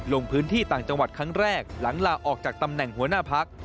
ลงพื้นที่ต่างจังหวัดครั้งแรกหลังลาออกจากตำแหน่งหัวหน้าพัก